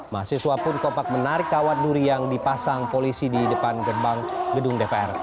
mahasiswa pun kompak menarik kawat duri yang dipasang polisi di depan gerbang gedung dpr